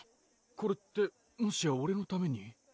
これってもしやオレのために？